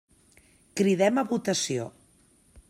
Cridem a votació.